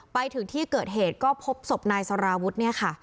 ไปถึงที่เกิดเหตุก็พบศพนายสรวจ